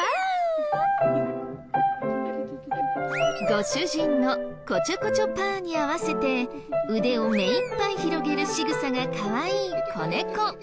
ご主人のこちょこちょパーに合わせて腕を目いっぱい広げるしぐさがかわいい子猫。